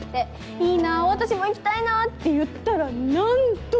「いいな私も行きたいな」って言ったらなんと！